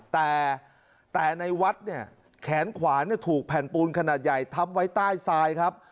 แต่ในวัดเนี่ยแขนขวาถูกแผ่นปูนขนาดใหญ่ทับไว้ใต้ทรายครับ